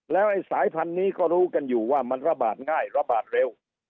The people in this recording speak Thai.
แล้วไอ้สายพันธุ์นี้ก็รู้กันอยู่ว่ามันระบาดง่ายระบาดเร็ว